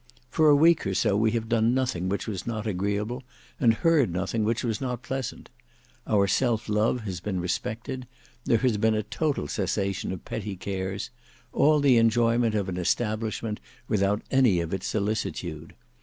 For a week or so, we have done nothing which was not agreeable, and heard nothing which was not pleasant. Our self love has been respected; there has been a total cessation of petty cares; all the enjoyment of an establisnment without any of its solicitude.